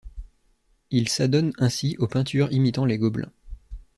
Il s’adonne ainsi aux peintures imitant les Gobelins.